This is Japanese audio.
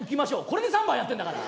これで３番やってんだから。